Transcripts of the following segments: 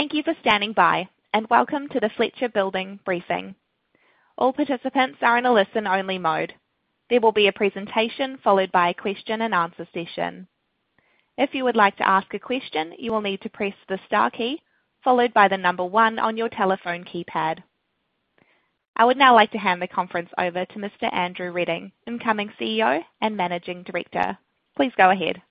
Thank you for standing by, and welcome to the Fletcher Building briefing. All participants are in a listen-only mode. There will be a presentation followed by a question-and-answer session. If you would like to ask a question, you will need to press the star key followed by the number one on your telephone keypad. I would now like to hand the conference over to Mr. Andrew Reding, incoming CEO and Managing Director. Please go ahead.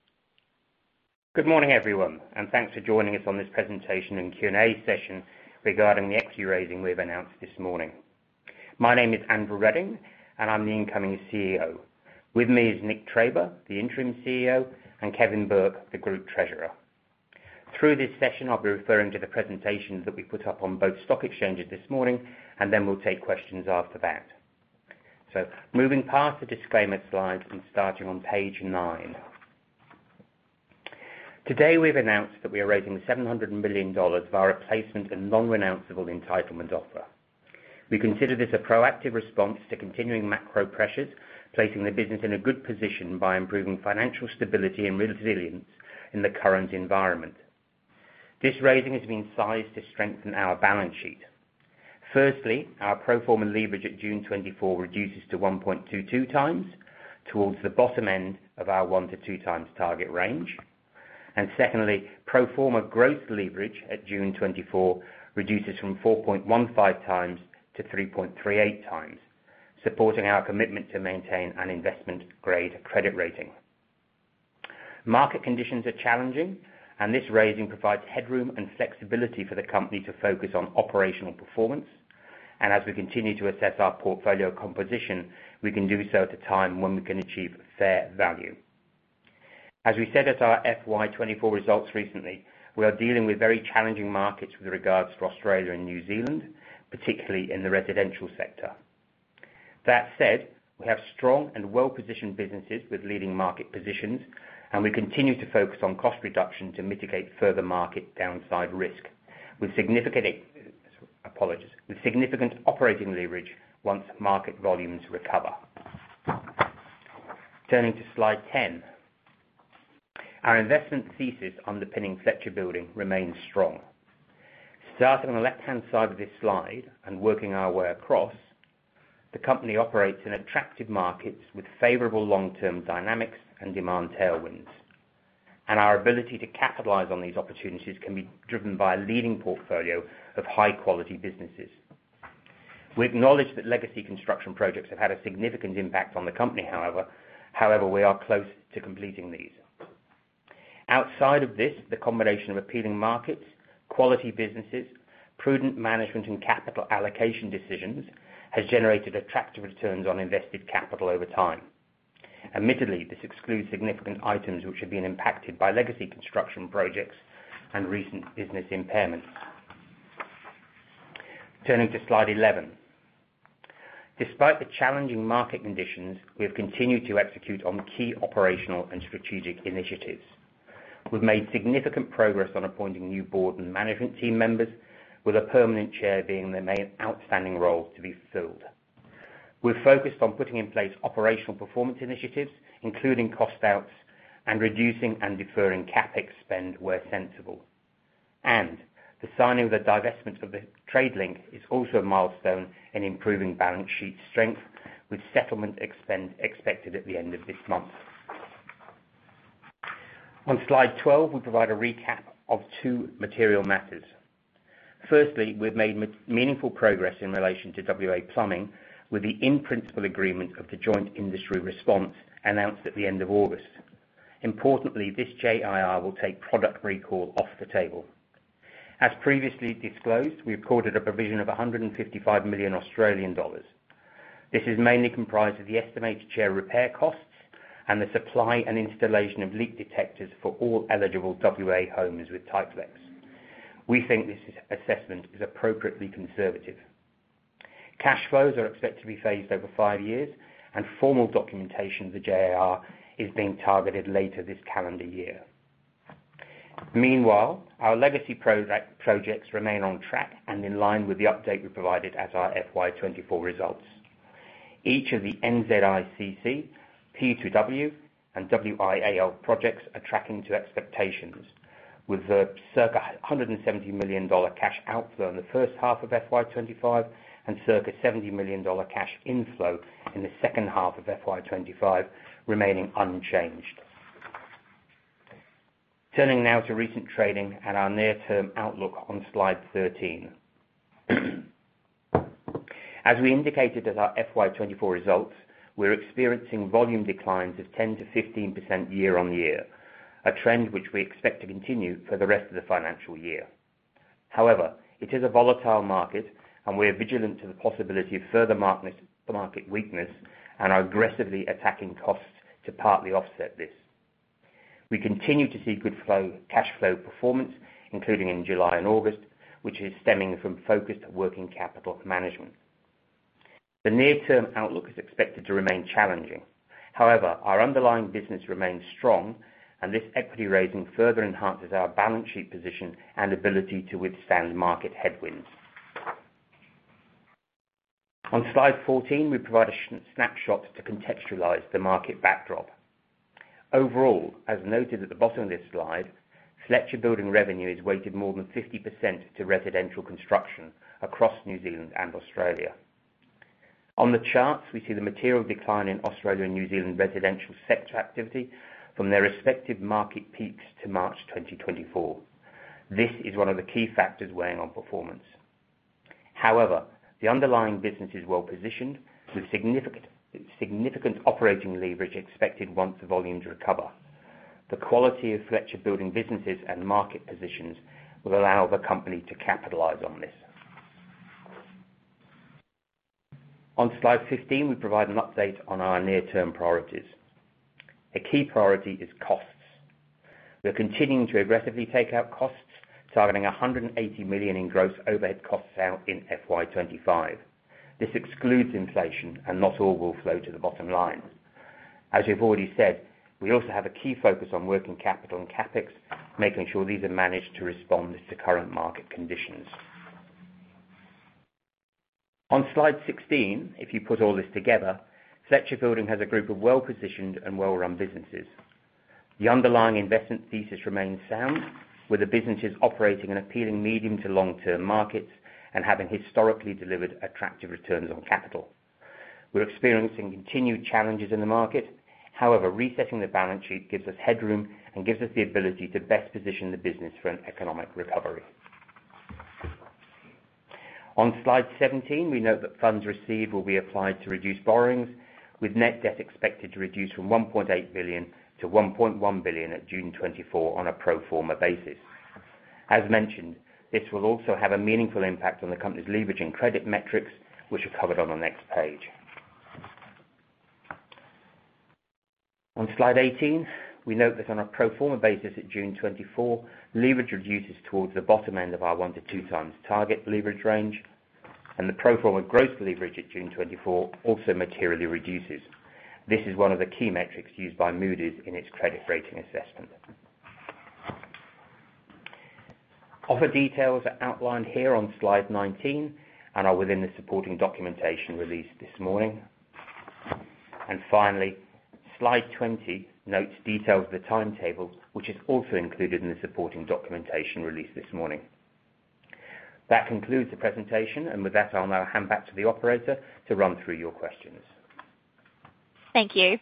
Good morning, everyone, and thanks for joining us on this presentation and Q&A session regarding the equity raising we've announced this morning. My name is Andrew Reding, and I'm the incoming CEO. With me is Nick Traber, the Interim CEO, and Kevin Burke, the Group Treasurer. Through this session, I'll be referring to the presentations that we put up on both stock exchanges this morning, and then we'll take questions after that. Moving past the disclaimer slide and starting on page nine. Today, we've announced that we are raising 700 million dollars of our pro rata and non-renounceable entitlement offer. We consider this a proactive response to continuing macro pressures, placing the business in a good position by improving financial stability and resilience in the current environment. This raising has been sized to strengthen our balance sheet. Firstly, our pro forma leverage at June 2024 reduces to 1.22x towards the bottom end of our 1x-2x target range. And secondly, pro forma gross leverage at June 2024 reduces from 4.15x-3.38x, supporting our commitment to maintain an investment-grade credit rating. Market conditions are challenging, and this raising provides headroom and flexibility for the company to focus on operational performance. And as we continue to assess our portfolio composition, we can do so at a time when we can achieve fair value. As we said at our FY 2024 results recently, we are dealing with very challenging markets with regards to Australia and New Zealand, particularly in the residential sector. That said, we have strong and well-positioned businesses with leading market positions, and we continue to focus on cost reduction to mitigate further market downside risk. With significant... Apologies. With significant operating leverage once market volumes recover. Turning to slide 10. Our investment thesis underpinning Fletcher Building remains strong. Starting on the left-hand side of this slide and working our way across, the company operates in attractive markets with favorable long-term dynamics and demand tailwinds. And our ability to capitalize on these opportunities can be driven by a leading portfolio of high-quality businesses. We acknowledge that legacy construction projects have had a significant impact on the company, however. However, we are close to completing these. Outside of this, the combination of appealing markets, quality businesses, prudent management, and capital allocation decisions has generated attractive returns on invested capital over time. Admittedly, this excludes significant items which have been impacted by legacy construction projects and recent business impairments. Turning to Slide eleven. Despite the challenging market conditions, we have continued to execute on key operational and strategic initiatives. We've made significant progress on appointing new board and management team members, with a permanent chair being the main outstanding role to be filled. We're focused on putting in place operational performance initiatives, including cost outs and reducing and deferring CapEx spend where sensible. And the signing of the divestment of Tradelink is also a milestone in improving balance sheet strength, with settlement expense expected at the end of this month. On Slide twelve, we provide a recap of two material matters. Firstly, we've made meaningful progress in relation to WA Plumbing, with the in-principle agreement of the Joint Industry Response announced at the end of August. Importantly, this JIR will take product recall off the table. As previously disclosed, we recorded a provision of 155 million Australian dollars. This is mainly comprised of the estimated share of repair costs and the supply and installation of leak detectors for all eligible WA homes with Typlex. We think this assessment is appropriately conservative. Cash flows are expected to be phased over five years, and formal documentation of the JIR is being targeted later this calendar year. Meanwhile, our legacy projects remain on track and in line with the update we provided as our FY24 results. Each of the NZICC, P2W, and WIAL projects are tracking to expectations, with circa 170 million dollar cash outflow in the first half of FY25 and circa 70 million dollar cash inflow in the second half of FY25 remaining unchanged. Turning now to recent trading and our near-term outlook on Slide 13. As we indicated at our FY24 results, we're experiencing volume declines of 10%-15% year on year, a trend which we expect to continue for the rest of the financial year. However, it is a volatile market, and we are vigilant to the possibility of further market weakness and are aggressively attacking costs to partly offset this. We continue to see good cash flow performance, including in July and August, which is stemming from focused working capital management. The near-term outlook is expected to remain challenging. However, our underlying business remains strong, and this equity raising further enhances our balance sheet position and ability to withstand market headwinds. On Slide 14, we provide a snapshot to contextualize the market backdrop. Overall, as noted at the bottom of this slide, Fletcher Building revenue is weighted more than 50% to residential construction across New Zealand and Australia. On the charts, we see the material decline in Australia and New Zealand residential sector activity from their respective market peaks to March 2024. This is one of the key factors weighing on performance. However, the underlying business is well positioned, with significant operating leverage expected once the volumes recover. The quality of Fletcher Building businesses and market positions will allow the company to capitalize on this. On Slide 15, we provide an update on our near-term priorities. A key priority is costs. We're continuing to aggressively take out costs, targeting 180 million in gross overhead costs out in FY25. This excludes inflation, and not all will flow to the bottom line. As we've already said, we also have a key focus on working capital and CapEx, making sure these are managed to respond to current market conditions. On Slide 16, if you put all this together, Fletcher Building has a group of well-positioned and well-run businesses. The underlying investment thesis remains sound, with the businesses operating in appealing medium to long-term markets and having historically delivered attractive returns on capital. We're experiencing continued challenges in the market, however, resetting the balance sheet gives us headroom and gives us the ability to best position the business for an economic recovery. On Slide 17, we note that funds received will be applied to reduce borrowings, with net debt expected to reduce from NZD $1.8-NZD$1.1 billion at June 2024 on a pro forma basis. As mentioned, this will also have a meaningful impact on the company's leverage and credit metrics, which are covered on the next page. On Slide 18, we note that on a pro forma basis at June 2024, leverage reduces towards the bottom end of our 1x-2x target leverage range, and the pro forma gross leverage at June 2024 also materially reduces. This is one of the key metrics used by Moody's in its credit rating assessment. Offer details are outlined here on Slide 19 and are within the supporting documentation released this morning. And finally, Slide 20 notes details of the timetable, which is also included in the supporting documentation released this morning. That concludes the presentation, and with that, I'll now hand back to the operator to run through your questions. Thank you.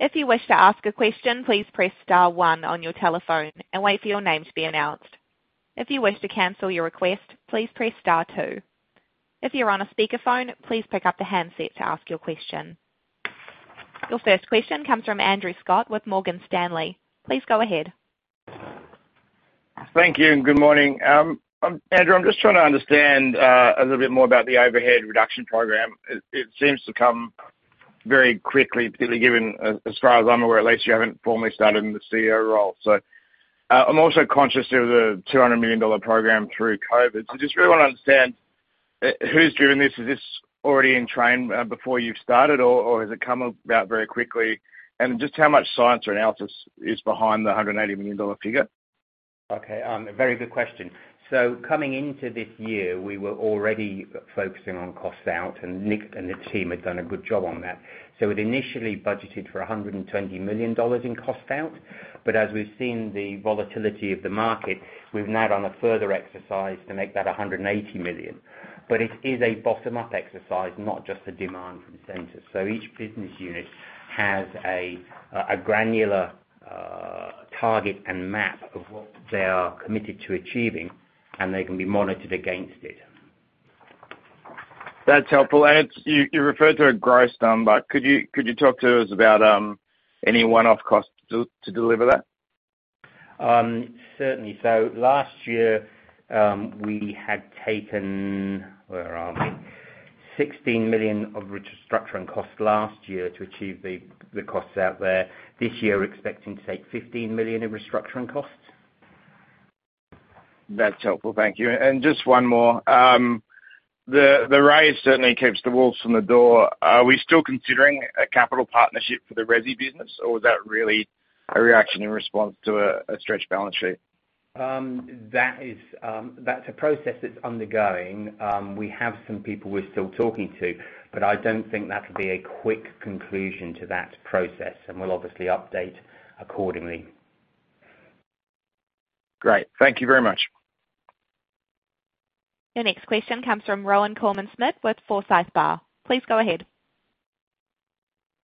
If you wish to ask a question, please press star one on your telephone and wait for your name to be announced. If you wish to cancel your request, please press star two. If you're on a speakerphone, please pick up the handset to ask your question. Your first question comes from Andrew Scott with Morgan Stanley. Please go ahead. Thank you, and good morning. Andrew, I'm just trying to understand a little bit more about the overhead reduction program. It seems to come very quickly, particularly given as far as I'm aware, at least, you haven't formally started in the CEO role. So, I'm also conscious of the NZD $200 million program through COVID. So I just really want to understand who's driven this? Is this already in train before you've started, or has it come about very quickly? And just how much science or analysis is behind the NZD $180 million figure? Okay, a very good question. So coming into this year, we were already focusing on costs out, and Nick and the team had done a good job on that. So we'd initially budgeted for 120 million dollars in costs out, but as we've seen the volatility of the market, we've now done a further exercise to make that 180 million. But it is a bottom-up exercise, not just a demand from centers. So each business unit has a granular target and map of what they are committed to achieving, and they can be monitored against it. That's helpful, and you referred to a gross number. Could you talk to us about any one-off costs to deliver that? Certainly. So last year, we had taken 16 million of restructuring costs last year to achieve the costs out there. This year, we're expecting to take 15 million in restructuring costs. That's helpful. Thank you. And just one more. The raise certainly keeps the wolves from the door. Are we still considering a capital partnership for the Resi business, or was that really a reaction in response to a stretched balance sheet? That is, that's a process that's undergoing. We have some people we're still talking to, but I don't think that'll be a quick conclusion to that process, and we'll obviously update accordingly. Great. Thank you very much. Your next question comes from Rohan Koreman-Smit with Forsyth Barr. Please go ahead.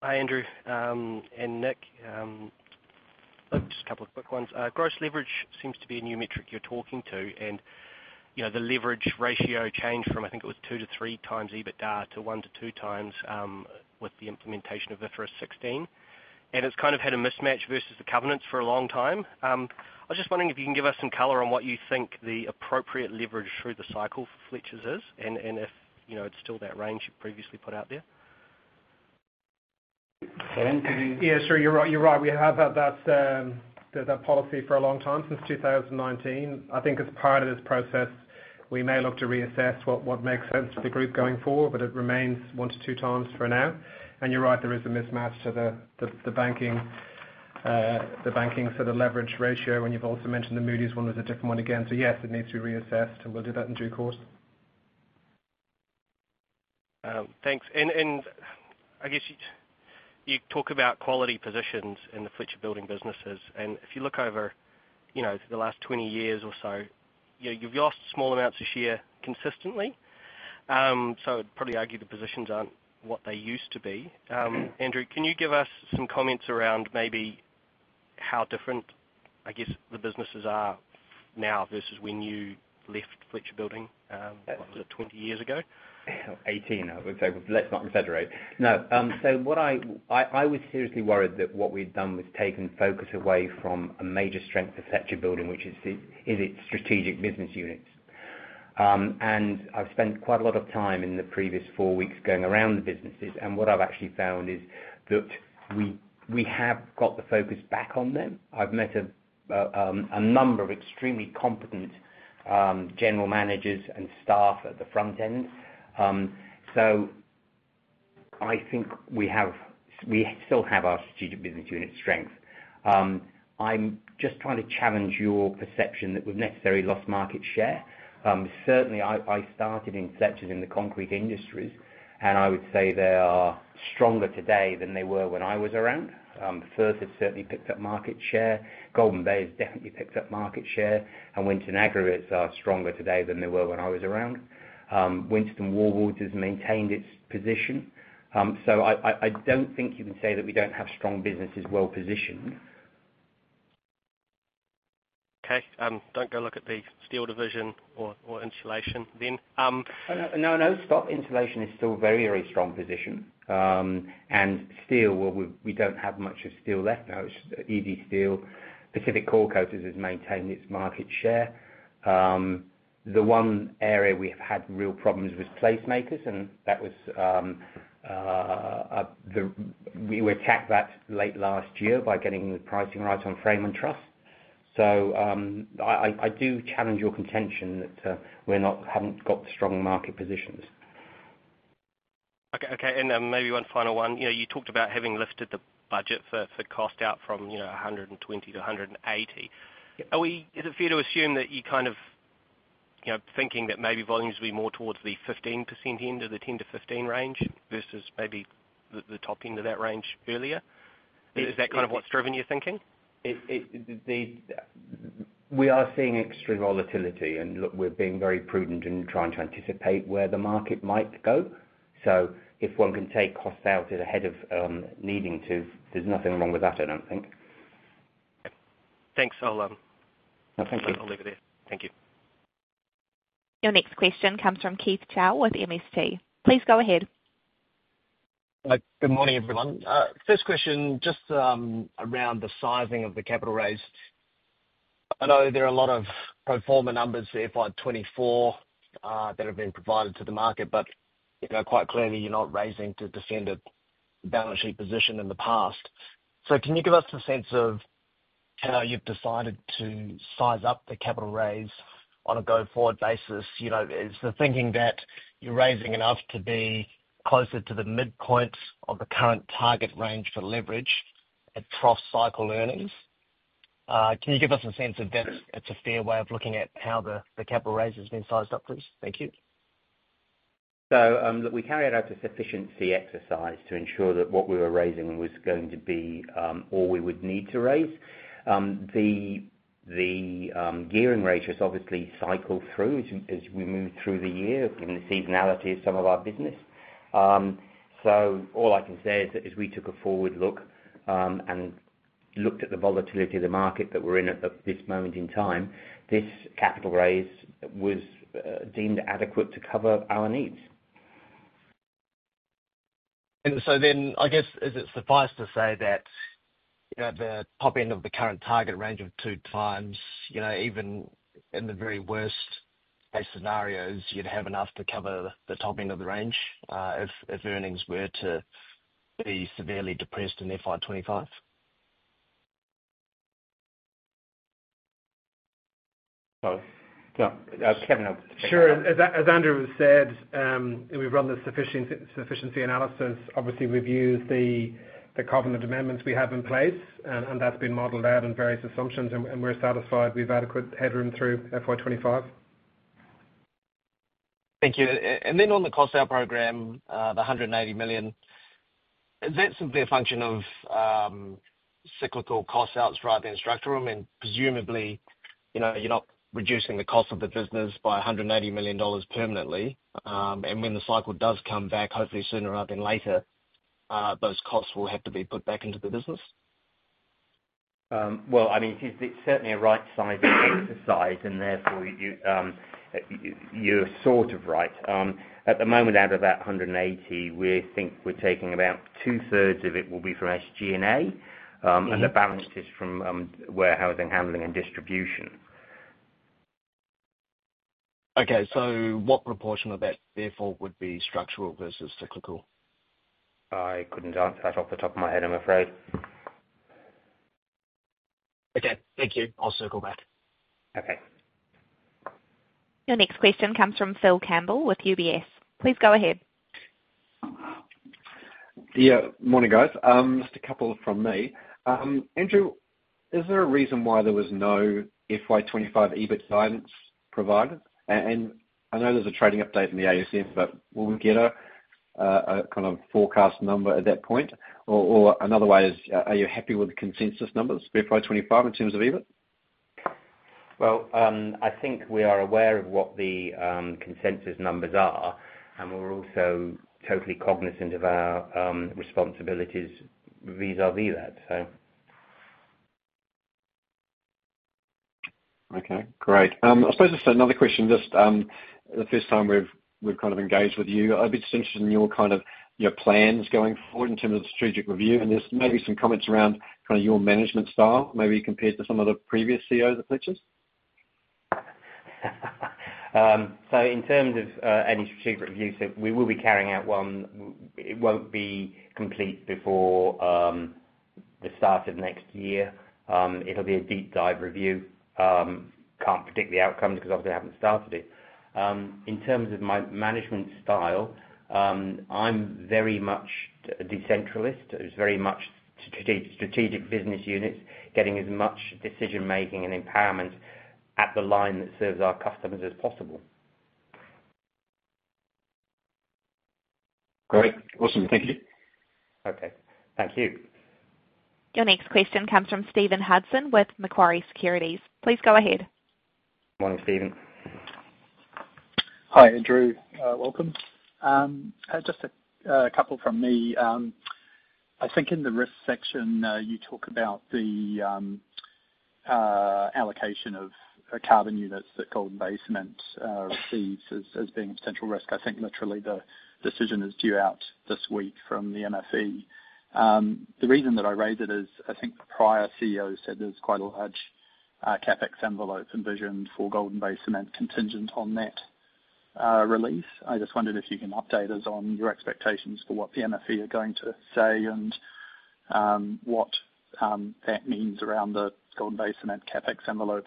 Hi, Andrew, and Nick. Look, just a couple of quick ones. Gross leverage seems to be a new metric you're talking to, and, you know, the leverage ratio changed from, I think, it was two to three times EBITDA to one to two times, with the implementation of IFRS 16. And it's kind of had a mismatch versus the covenants for a long time. I was just wondering if you can give us some color on what you think the appropriate leverage through the cycle for Fletcher's is, and, and if, you know, it's still that range you previously put out there? Nick, can you- Yeah, sure. You're right, you're right. We have had that policy for a long time, since two thousand and nineteen. I think as part of this process, we may look to reassess what makes sense for the group going forward, but it remains one to two times for now. And you're right, there is a mismatch to the banking, so the leverage ratio, and you've also mentioned the Moody's one is a different one again. So yes, it needs to be reassessed, and we'll do that in due course. Thanks. And I guess you talk about quality positions in the Fletcher Building businesses, and if you look over, you know, the last twenty years or so, you know, you've lost small amounts of share consistently. So I'd probably argue the positions aren't what they used to be. Andrew, can you give us some comments around maybe how different, I guess, the businesses are now versus when you left Fletcher Building, what was it, 20 years ago? 18. Let's not exaggerate. No, so what I was seriously worried that what we'd done was taken focus away from a major strength of Fletcher Building, which is its strategic business units. And I've spent quite a lot of time in the previous four weeks going around the businesses, and what I've actually found is that we have got the focus back on them. I've met a number of extremely competent general managers and staff at the front end. So I think we still have our strategic business unit strength. I'm just trying to challenge your perception that we've necessarily lost market share. Certainly I started in Fletcher in the concrete industries, and I would say they are stronger today than they were when I was around. First, they've certainly picked up market share. Golden Bay has definitely picked up market share, and Winstone Aggregates are stronger today than they were when I was around. Winstone Wallboards has maintained its position. So I don't think you can say that we don't have strong businesses well-positioned. Okay, don't go look at the steel division or insulation then. Oh, no, no, stop. Insulation is still a very, very strong position. And steel, well, we don't have much of steel left now. It's Easysteel. Pacific Coilcoaters has maintained its market share. The one area we have had real problems with is PlaceMakers, and that was the. We attacked that late last year by getting the pricing right on frame and truss. So, I do challenge your contention that we haven't got strong market positions. Okay, okay, and then maybe one final one. You know, you talked about having lifted the budget for cost out from, you know, 120-180. Yeah. Is it fair to assume that you're kind of, you know, thinking that maybe volumes will be more towards the 15% end of the 10%-15% range versus maybe the top end of that range earlier? Is that kind of what's driven your thinking? We are seeing extreme volatility, and look, we're being very prudent in trying to anticipate where the market might go so if one can take costs out ahead of needing to, there's nothing wrong with that, I don't think. Thanks. I'll Thank you. I'll leave it there. Thank you. Your next question comes from Keith Chow with MST. Please go ahead. Good morning, everyone. First question, just around the sizing of the capital raise. I know there are a lot of pro forma numbers, FY24, that have been provided to the market, but, you know, quite clearly, you're not raising to defend a balance sheet position in the past. So can you give us a sense of how you've decided to size up the capital raise on a go-forward basis? You know, is the thinking that you're raising enough to be closer to the midpoint of the current target range for leverage at trough cycle earnings? Can you give us a sense if that's, it's a fair way of looking at how the capital raise has been sized up, please? Thank you. So, look, we carried out a sufficiency exercise to ensure that what we were raising was going to be all we would need to raise. The gearing ratios obviously cycle through as we move through the year, given the seasonality of some of our business. So all I can say is we took a forward look and looked at the volatility of the market that we're in at this moment in time. This capital raise was deemed adequate to cover our needs. I guess, is it suffice to say that, you know, at the top end of the current target range of two times, you know, even in the very worst case scenarios, you'd have enough to cover the top end of the range, if earnings were to be severely depressed in FY25? So, yeah, Kevin? Sure. As Andrew has said, we've run the sufficiency analysis. Obviously, we've used the covenant amendments we have in place, and that's been modeled out in various assumptions, and we're satisfied we've adequate headroom through FY25. Thank you. And then on the cost out program, the 180 million, is that simply a function of, cyclical cost outs, rather than structural? I mean, presumably, you know, you're not reducing the cost of the business by 180 million dollars permanently, and when the cycle does come back, hopefully sooner rather than later, those costs will have to be put back into the business. Well, I mean, it's certainly a right sizing exercise, and therefore, you, you're sort of right. At the moment, out of that 180, we think we're taking out about two-thirds of it will be from SG&A, and the balance is from warehousing, handling, and distribution. Okay, so what proportion of that therefore would be structural versus cyclical? I couldn't answer that off the top of my head, I'm afraid. Okay, thank you. I'll circle back. Okay.... Your next question comes from Phil Campbell with UBS. Please go ahead. Yeah, morning, guys. Just a couple from me. Andrew, is there a reason why there was no FY25 EBIT guidance provided? And I know there's a trading update in the ASM, but will we get a kind of forecast number at that point? Or another way is, are you happy with the consensus numbers for FY25 in terms of EBIT? I think we are aware of what the consensus numbers are, and we're also totally cognizant of our responsibilities vis-à-vis that, so. Okay, great. I suppose just another question, just, the first time we've kind of engaged with you, I'd be just interested in your kind of, your plans going forward in terms of strategic review, and just maybe some comments around kind of your management style, maybe compared to some of the previous CEOs at Fletchers? So in terms of any strategic reviews, we will be carrying out one. It won't be complete before the start of next year. It'll be a deep dive review. Can't predict the outcome because obviously I haven't started it. In terms of my management style, I'm very much a decentralist. It's very much strategic business units, getting as much decision-making and empowerment at the line that serves our customers as possible. Great. Awesome. Thank you. Okay. Thank you. Your next question comes from Stephen Hudson with Macquarie Securities. Please go ahead. Morning, Stephen. Hi, Andrew. Welcome. Just a couple from me. I think in the risk section, you talk about the allocation of carbon units that Golden Bay Cement receives as being a central risk. I think literally the decision is due out this week from the MfE. The reason that I raise it is, I think the prior CEO said there's quite a large CapEx envelope envisioned for Golden Bay Cement contingent on that release. I just wondered if you can update us on your expectations for what the MfE are going to say and what that means around the Golden Bay Cement CapEx envelope.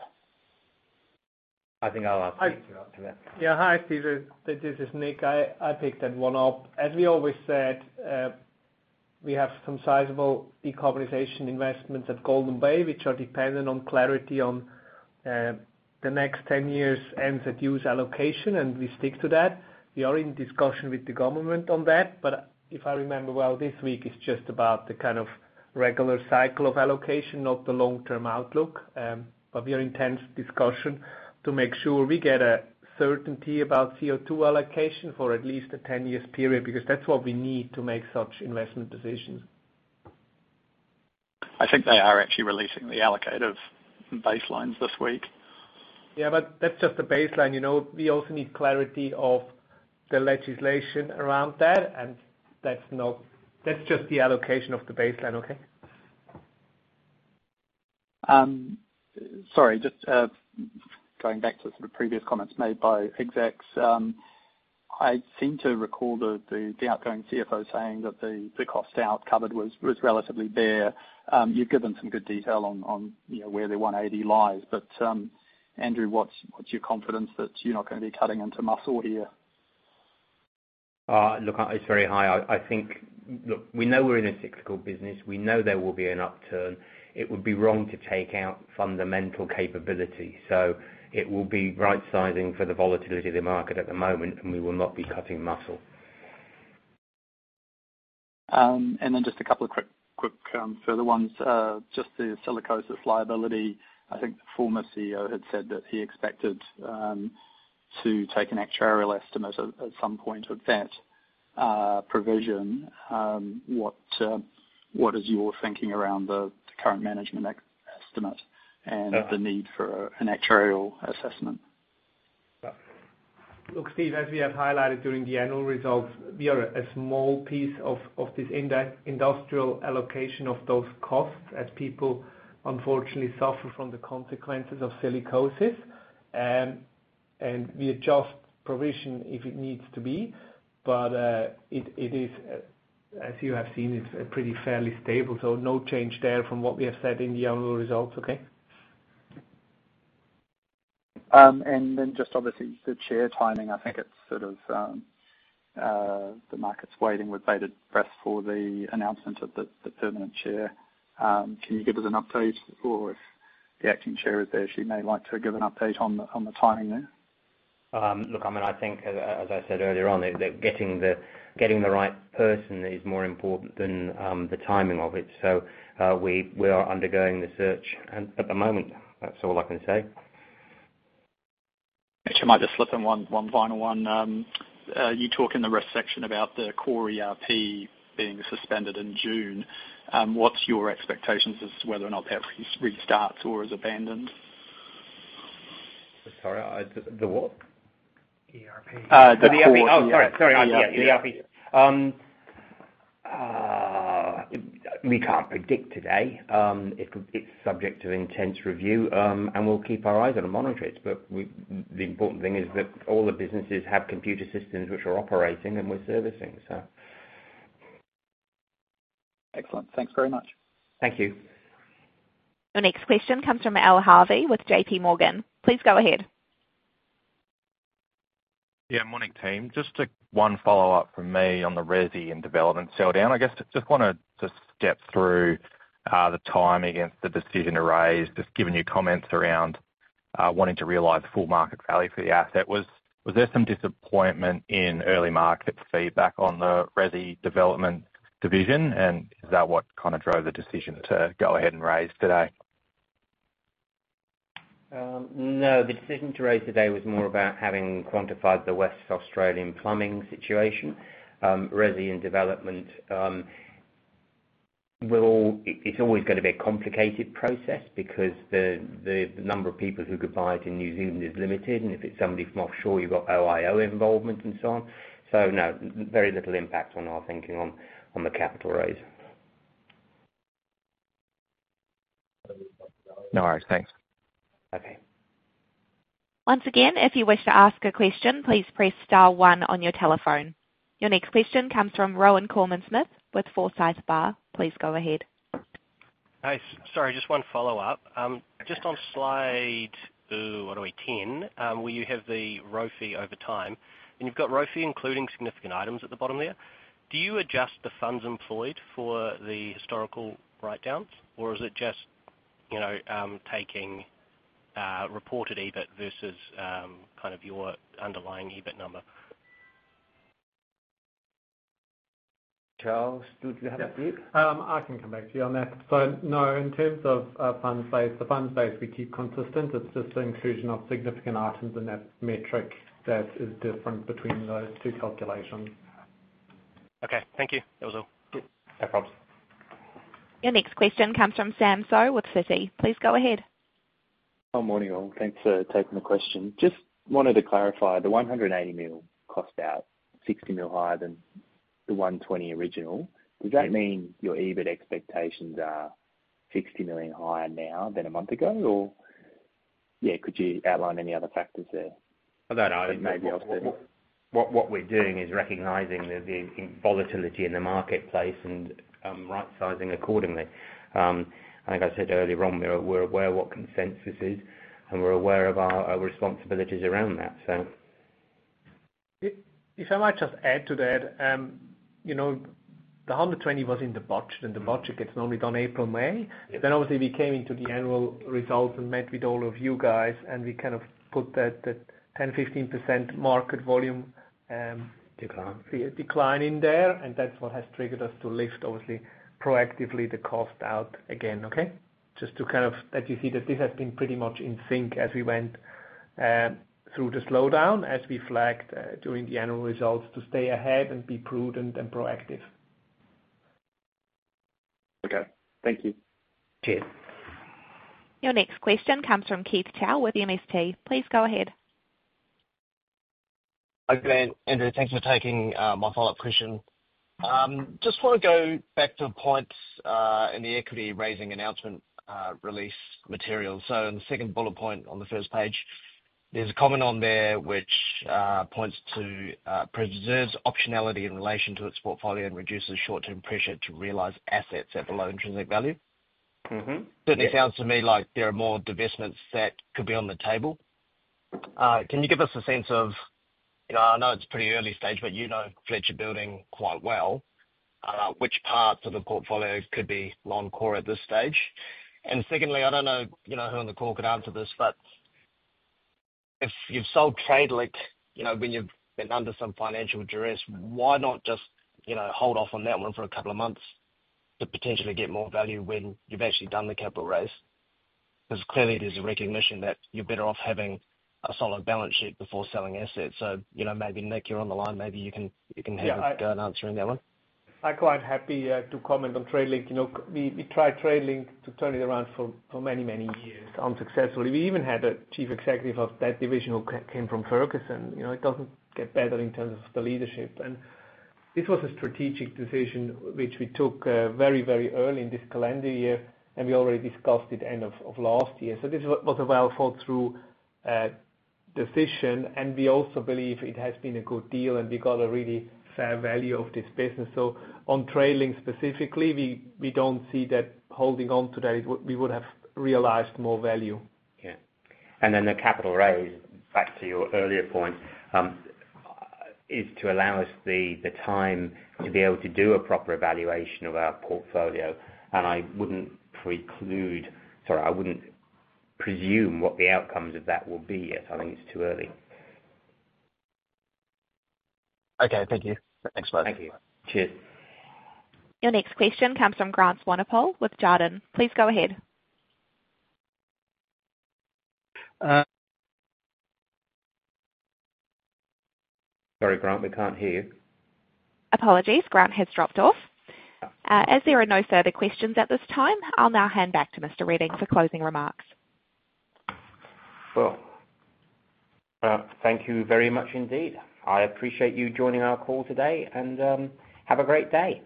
I think I'll ask Nick to answer that. Yeah, hi, Stephen. This is Nick. I picked that one up. As we always said, we have some sizable decarbonization investments at Golden Bay, which are dependent on clarity on the next 10 years' NZ ETS allocation, and we stick to that. We are in discussion with the government on that, but if I remember well, this week is just about the kind of regular cycle of allocation, not the long-term outlook. But we are in intense discussion to make sure we get a certainty about CO2 allocation for at least a 10 years period, because that's what we need to make such investment decisions. I think they are actually releasing the allocative baselines this week. Yeah, but that's just a baseline, you know? We also need clarity of the legislation around that, and that's just the allocation of the baseline, okay? Sorry, just going back to the sort of previous comments made by execs. I seem to recall the outgoing CFO saying that the cost out covered was relatively bare. You've given some good detail on you know, where the 180 lies. But, Andrew, what's your confidence that you're not gonna be cutting into muscle here? Look, it's very high. Look, we know we're in a cyclical business. We know there will be an upturn. It would be wrong to take out fundamental capability, so it will be right-sizing for the volatility of the market at the moment, and we will not be cutting muscle. And then just a couple of quick further ones. Just the silicosis liability. I think the former CEO had said that he expected to take an actuarial estimate at some point of that provision. What is your thinking around the current management estimate and the need for an actuarial assessment? Look, Steve, as we have highlighted during the annual results, we are a small piece of this industrial allocation of those costs, as people unfortunately suffer from the consequences of silicosis. We adjust provision if it needs to be, but it is, as you have seen, it's pretty fairly stable, so no change there from what we have said in the annual results. Okay? And then just obviously, the chair timing, I think it's sort of, the market's waiting with bated breath for the announcement of the, the permanent chair. Can you give us an update, or if the acting chair is there, she may like to give an update on the, on the timing there? Look, I mean, I think as I said earlier on, getting the right person is more important than the timing of it. So, we are undergoing the search, and at the moment, that's all I can say. Actually, I might just slip in one final one. You talk in the risk section about the core ERP being suspended in June. What's your expectations as to whether or not that restarts or is abandoned? Sorry, the what? ERP. The core- Oh, sorry, sorry. ERP. We can't predict today. It's subject to intense review, and we'll keep our eyes on it and monitor it. But we, the important thing is that all the businesses have computer systems which are operating, and we're servicing, so.... Excellent. Thanks very much. Thank you. Your next question comes from Al Harvey with JPMorgan. Please go ahead. Yeah, morning, team. Just a one follow-up from me on the Resi and Development sell down. I guess, just wanna just step through, the timing against the decision to raise, just given your comments around, wanting to realize the full market value for the asset. Was there some disappointment in early market feedback on the Resi Development Division? And is that what kind of drove the decision to go ahead and raise today? No. The decision to raise today was more about having quantified the West Australian plumbing situation. Resi and Development will, it's always gonna be a complicated process because the number of people who could buy it in New Zealand is limited, and if it's somebody from offshore, you've got OIO involvement and so on. So no, very little impact on our thinking on the capital raise. No worries. Thanks. Okay. Once again, if you wish to ask a question, please press star one on your telephone. Your next question comes from Rohan Koreman-Smit with Forsyth Barr. Please go ahead. Hi, sorry, just one follow-up. Just on slide 10, where you have the ROFE over time, and you've got ROFE, including significant items at the bottom there. Do you adjust the funds employed for the historical write downs, or is it just, you know, taking reported EBIT versus kind of your underlying EBIT number? Charles, do you have that bit? I can come back to you on that. So no, in terms of fund base, the fund base we keep consistent. It's just the inclusion of significant items in that metric that is different between those two calculations. Okay, thank you. That was all. No probs. Your next question comes from Sam Seow with Citi. Please go ahead. Hi, morning, all. Thanks for taking the question. Just wanted to clarify, the 180 million cost out sixty mil higher than the 120 original. Yeah. Does that mean your EBIT expectations are 60 million higher now than a month ago? Or, yeah, could you outline any other factors there? I don't know. I think maybe what we're doing is recognizing the volatility in the marketplace and right-sizing accordingly. Like I said earlier on, we're aware what consensus is, and we're aware of our responsibilities around that, so. If I might just add to that, you know, the 120 was in the budget, and the budget gets normally done April, May. Yeah. Then obviously we came into the annual results and met with all of you guys, and we kind of put that 10%-15% market volume, Decline. Decline in there, and that's what has triggered us to lift, obviously, proactively the cost out again, okay? Just to kind of, that you see that this has been pretty much in sync as we went through the slowdown, as we flagged during the annual results to stay ahead and be prudent and proactive. Okay, thank you. Cheers. Your next question comes from Keith Chow with MST. Please go ahead. Hi, Andrew. Thanks for taking my follow-up question. Just wanna go back to a point in the equity raising announcement release material. So in the second bullet point on the first page, there's a comment on there which points to preserves optionality in relation to its portfolio and reduces short-term pressure to realize assets at below intrinsic value. Mm-hmm. Certainly sounds to me like there are more divestments that could be on the table. Can you give us a sense of... You know, I know it's pretty early stage, but you know Fletcher Building quite well. Which parts of the portfolio could be non-core at this stage? And secondly, I don't know, you know, who on the call could answer this, but if you've sold Tradelink, you know, when you've been under some financial duress, why not just, you know, hold off on that one for a couple of months to potentially get more value when you've actually done the capital raise? Because clearly there's a recognition that you're better off having a solid balance sheet before selling assets. So, you know, maybe Nick, you're on the line, maybe you can have a go at answering that one. I'm quite happy to comment on Tradelink. You know, we tried Tradelink to turn it around for many years, unsuccessfully. We even had a chief executive of that division who came from Ferguson. You know, it doesn't get better in terms of the leadership. And this was a strategic decision, which we took very early in this calendar year, and we already discussed it end of last year. So this was a well-thought-through decision, and we also believe it has been a good deal, and we got a really fair value of this business. So on Tradelink specifically, we don't see that holding on to that, it would we would have realized more value. Yeah, and then the capital raise, back to your earlier point, is to allow us the time to be able to do a proper evaluation of our portfolio, and I wouldn't preclude... Sorry, I wouldn't presume what the outcomes of that will be yet. I think it's too early. Okay, thank you. Thanks a lot. Thank you. Cheers. Your next question comes from Grant Swanepoel with Jarden. Please go ahead. Sorry, Grant, we can't hear you. Apologies. Grant has dropped off. As there are no further questions at this time, I'll now hand back to Mr. Reding for closing remarks. Thank you very much indeed. I appreciate you joining our call today, and have a great day.